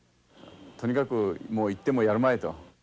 とにかくもう１点もやるまいと。